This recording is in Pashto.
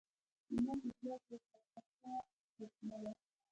• لمر د ځواک یوه طاقته سرچینه ده.